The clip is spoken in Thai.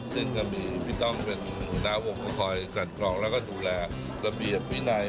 ซึ่งก็มีพี่ต้องเป็นน้าวงค์กระคอยกระดกรอกแล้วก็ดูแลระเบียบวินัย